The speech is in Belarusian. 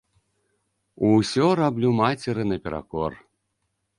Усё раблю мацеры наперакор.